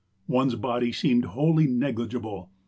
One's body seemed wholly negligible.